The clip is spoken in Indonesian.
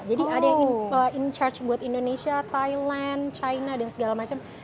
jadi ada yang in charge buat indonesia thailand china dan segala macam